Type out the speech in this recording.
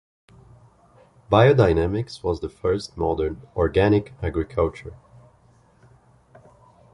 Biodynamics was the first modern organic agriculture.